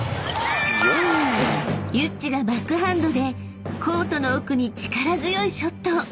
［ユッチがバックハンドでコートの奥に力強いショット］